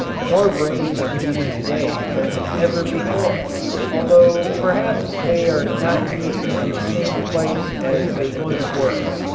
More brains are needed to day than ever before, although perhaps they are not needed in the same place as they once were.